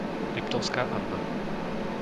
Liptovská Anna